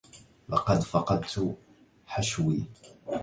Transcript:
لقد فقدت حشوي.